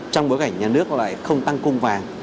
trong bối cảnh nhà nước lại không tăng cung vàng